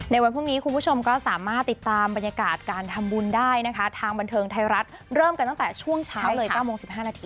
วันพรุ่งนี้คุณผู้ชมก็สามารถติดตามบรรยากาศการทำบุญได้นะคะทางบันเทิงไทยรัฐเริ่มกันตั้งแต่ช่วงเช้าเลย๙โมง๑๕นาที